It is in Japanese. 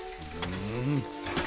うん。